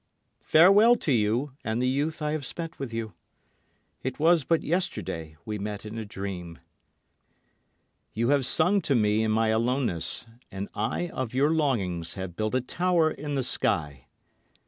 Farewell to you and the youth I have spent with you. It was but yesterday we met in a dream. You have sung to me in my aloneness, and I of your longings have built a tower in the sky.